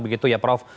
begitu ya prof